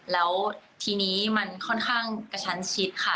แล้วทีนี้มันค่อนข้างกระชั้นชิดค่ะ